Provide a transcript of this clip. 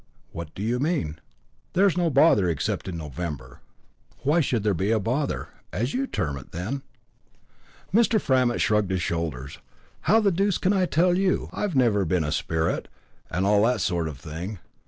"What do you mean?" "There is no bother except in November." "Why should there be bother, as you term it, then?" Mr. Framett shrugged his shoulders. "How the deuce can I tell you? I've never been a spirit, and all that sort of thing.